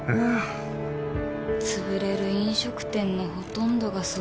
潰れる飲食店のほとんどがそう。